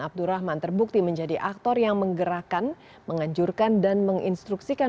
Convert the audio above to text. abdurrahman terbukti menjadi aktor yang menggerakkan menganjurkan dan menginstruksikan